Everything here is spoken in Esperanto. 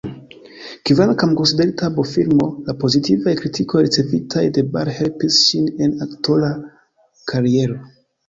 Kvankam konsiderita B-filmo, la pozitivaj kritikoj ricevitaj de Ball helpis ŝin en aktora kariero.